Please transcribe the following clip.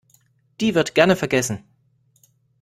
Die wird gerne vergessen.